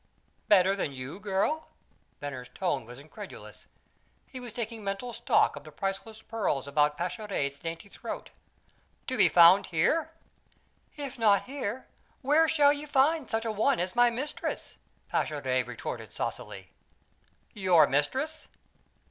"Better than you, girl?" Venner's tone was incredulous. He was taking mental stock of the priceless pearls about Pascherette's dainty throat. "To be found here?" "If not here, where shall ye find such a one as my mistress?" Pascherette retorted saucily. "Your mistress?"